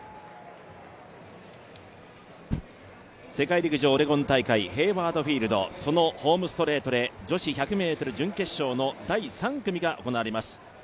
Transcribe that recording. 世界陸上オレゴン大会、ヘイワード・フィールド、そのホームストレートで女子１００ｍ準決勝の第３組が行われます。